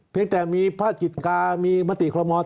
เพียงแต่มีพระจิตกามีมติครมมอต